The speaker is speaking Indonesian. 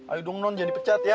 ayo dong non jangan dipecat ya